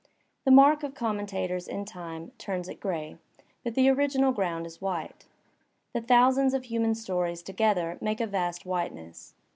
The mark of commentators in time turns it gray, but the original ground is white. The thousands of human stories together make a vast whiteness.